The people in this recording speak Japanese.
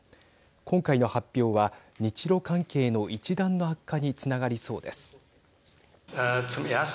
今回の発表は、日ロ関係の一段の悪化につながりそうです。